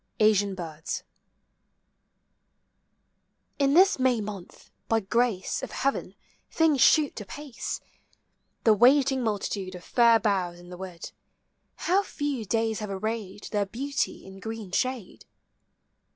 ASIAN BIRDS. In this May month, by grace of heaven, things shoot apace. The waiting multitude of fair boughs in the wood, — How few days have arrayed their beauty in green shade!